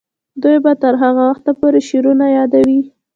دوی به تر هغه وخته پورې شعرونه یادوي.